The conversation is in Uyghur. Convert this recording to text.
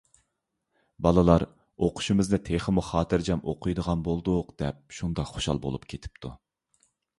بالىلار: «ئوقۇشىمىزنى تېخىمۇ خاتىرجەم ئوقۇيدىغان بولدۇق» دەپ شۇنداق خۇشال بولۇپ كېتىپتۇ.